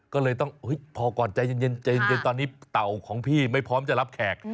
ก็เลยต้องพอก่อนใจเย็นตอนนี้เต่าของพี่ไม่พร้อมจะรับแขก